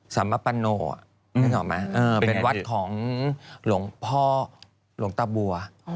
สัมปโปรเป็นวัดของหลวงพ่อหลวงตะบัว